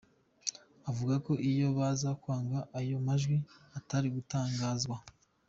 Avuga ko iyo baza kwanga aya majwi Atari gutangazwa.